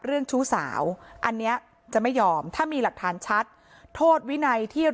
ชู้สาวอันนี้จะไม่ยอมถ้ามีหลักฐานชัดโทษวินัยที่